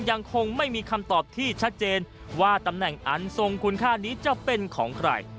ยังคงไม่มีคำตอบที่ชัดเจนว่าตำแหน่งอันทรงคุณค่านี้จะเป็นของใคร